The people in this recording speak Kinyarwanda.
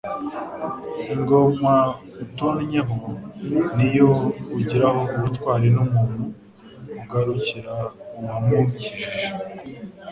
Ingoma utonnyeho niyo ugiraho ubutwari n'Umuntu agarukira uwamukijije.